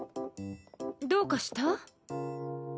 どうかした？